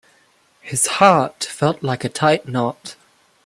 His heart felt like a tight knot.